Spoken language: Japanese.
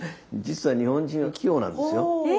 実は日本人は器用なんですよ。